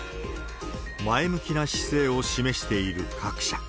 前向きな姿勢を示している各社。